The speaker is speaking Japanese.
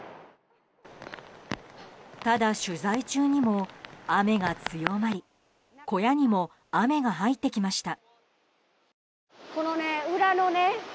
ただ取材中にも雨が強まり小屋にも雨が入ってきました。